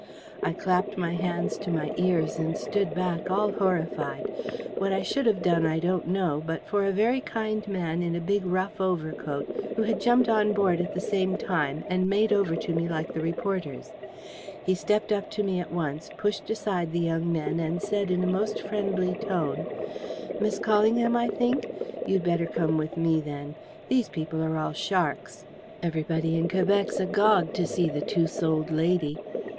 I clapped my hands to my ears, and stood back, all horrified. What I should have done, I don't know, but for a very kind man in a big rough overcoat, who had jumped on board at the same time, and made over to me like the reporters. He stepped up to me at once, pushed aside the young men, and said in a most friendly tone: "Miss Callingham, I think? You'd better come with me, then. These people are all sharks. Everybody in Quebec's agog to see the Two souled Lady.